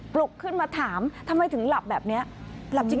ปลุกขึ้นมาถามทำไมถึงหลับแบบนี้